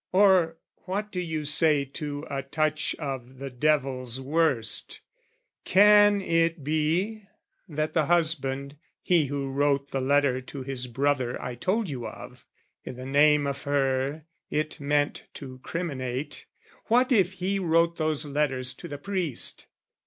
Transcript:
Or what do you say to a touch of the devil's worst? Can it be that the husband, he who wrote The letter to his brother I told you of, I' the name of her it meant to criminate, What if he wrote those letters to the priest?